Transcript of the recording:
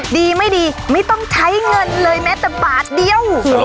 ดีไม่ดีไม่ต้องใช้เงินเลยแม้แต่บาทเดียว